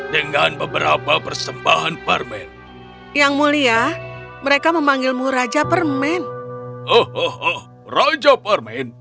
dengan beberapa persembahan permen yang mulia mereka memanggilmu raja permen oh raja permen